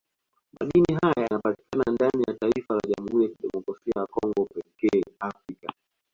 Madini haya yanapatika ndani ya taifa la Jamhuri ya Kidemokrasia ya Congo pekee Afrika